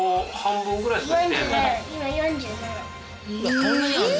そんなにあんの？